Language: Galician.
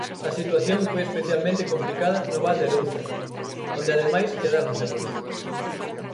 A situación foi especialmente complicada no Val de Lóuzara, onde ademais quedaron sen luz.